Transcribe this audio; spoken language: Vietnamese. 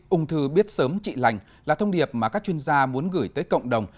ung thư biết sớm trị lành là thông điệp mà các chuyên gia muốn gửi tới cộng đồng